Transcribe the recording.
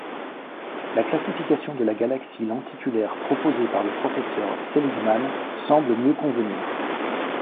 La classification de galaxie lenticulaire proposée par le professeur Seligman semble mieux convenir.